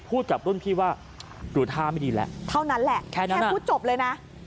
พูดกับรุ่นพี่ว่าหรูท่าไม่ดีแหละเท่านั้นแหละแค่พูดจบเลยนะ